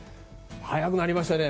早くなりましたね。